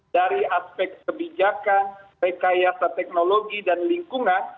dari aspek kebijakan rekayasa teknologi dan lingkungan